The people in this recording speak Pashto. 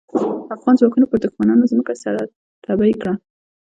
افغان ځواکونو پر دوښمنانو ځمکه سره تبۍ کړه.